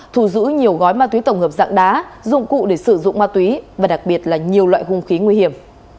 thù giữ nhiều gói ma túy tổng hợp dạng đá dụng cụ để sử dụng ma túy và đặc biệt là nhiều loại hung khí nguy hiểm